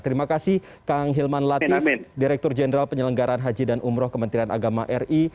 terima kasih kang hilman latif direktur jenderal penyelenggaraan haji dan umroh kementerian agama ri